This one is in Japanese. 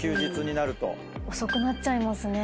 遅くなっちゃいますね。